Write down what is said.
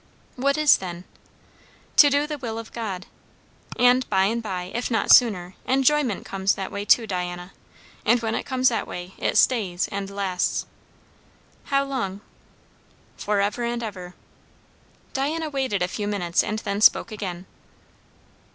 "What is, then?" "To do the will of God. And by and by, if not sooner, enjoyment comes that way too, Diana. And when it comes that way, it stays, and lasts." "How long?" "For ever and ever!" Diana waited a few minutes and then spoke again.